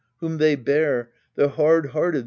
Whom they bare the hard hearted